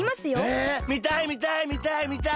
えみたいみたいみたいみたい！